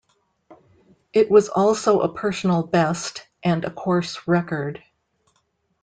It was also a personal best and a course record.